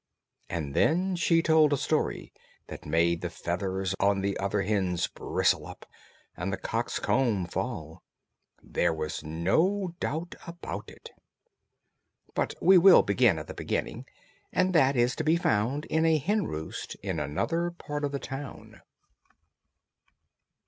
And then she told a story that made the feathers on the other hens bristle up, and the cock's comb fall. There was no doubt about it. But we will begin at the beginning, and that is to be found in a hen roost in another part of the town.